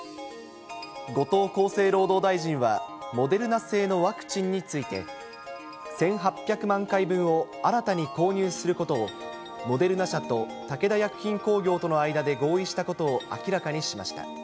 後藤厚生労働大臣は、モデルナ製のワクチンについて、１８００万回分を新たに購入することを、モデルナ社と武田薬品工業との間で合意したことを明らかにしました。